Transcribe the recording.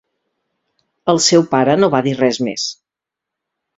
El seu para no va dir res més.